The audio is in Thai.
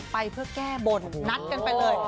ไปเพื่อแก้บนนัดกันไปเลย